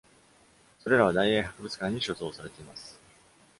それらは、大英博物館に所蔵されています。